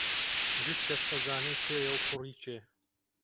گشت کەس ئەزانێ کێیە و کوڕی کێ